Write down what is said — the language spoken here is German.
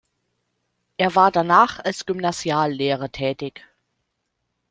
Er war danach als Gymnasiallehrer tätig.